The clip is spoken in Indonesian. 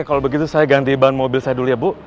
kalau begitu saya ganti ban mobil saya dulu ya bu